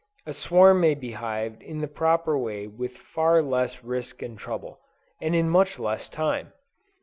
A swarm may be hived in the proper way with far less risk and trouble, and in much less time.